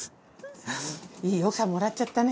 いい奥さんもらっちゃったね。